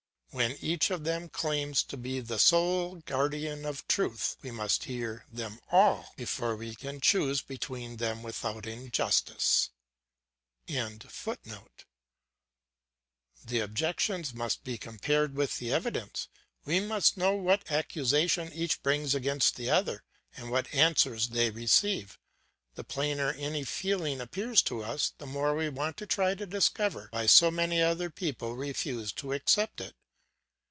When each of them claims to be the sole guardian of truth, we must hear them all before we can choose between them without injustice.] The objections must be compared with the evidence; we must know what accusation each brings against the other, and what answers they receive. The plainer any feeling appears to us, the more we must try to discover why so many other people refuse to accept it.